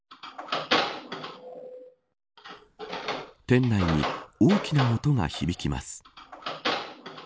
店内に大きな音が響きます。